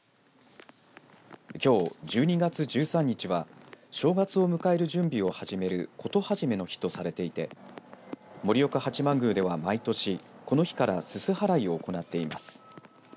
きょう１２月１３日は正月を迎える準備を始める事始めの日とされていて盛岡八幡宮では毎年この日からすす払いを行っています。